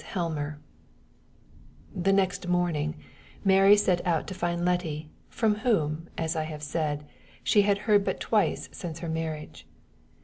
HELMER The next morning, Mary set out to find Letty, from whom, as I have said, she had heard but twice since her marriage.